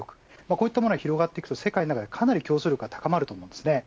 こういうものが広がると世界の中で、かなり競争力が高まると思います。